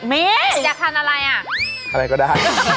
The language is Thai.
ไม่อยากทำอะไรอะทำอะไรก็ได้